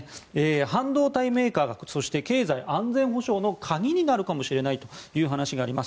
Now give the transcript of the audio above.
半導体メーカーが経済安全保障の鍵になるかもしれないという話があります。